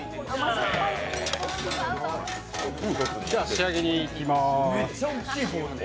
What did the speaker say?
仕上げにいきます。